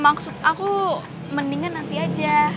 maksud aku mendingan nanti aja